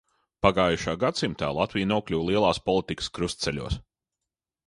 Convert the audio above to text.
Pagājušajā gadsimtā Latvija nokļuva lielās politikas krustceļos.